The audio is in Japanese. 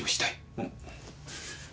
うん。